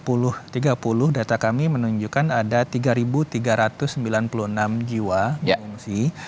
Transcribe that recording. pada saat ini pada pukul sepuluh tiga puluh data kami menunjukkan ada tiga tiga ratus sembilan puluh enam jiwa mengungsi